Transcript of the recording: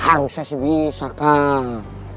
harusnya sih bisa kak